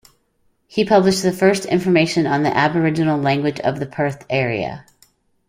He published the first information on the Aboriginal language of the Perth area.